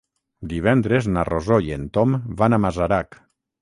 Divendres na Rosó i en Tom van a Masarac.